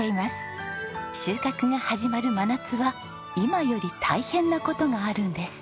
収穫が始まる真夏は今より大変な事があるんです。